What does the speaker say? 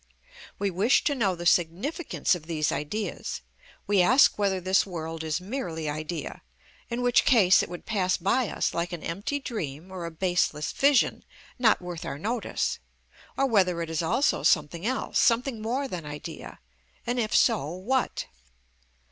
We wish to know the significance of these ideas; we ask whether this world is merely idea; in which case it would pass by us like an empty dream or a baseless vision, not worth our notice; or whether it is also something else, something more than idea, and if so, what.